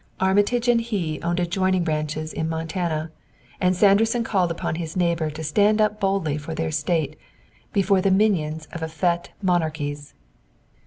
Armitage and he owned adjoining ranches in Montana, and Sanderson called upon his neighbor to stand up boldly for their state before the minions of effete monarchies.